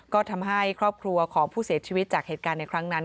ก็ทำให้ครอบครัวของผู้เสียชีวิตจากเหตุการณ์ในครั้งนั้น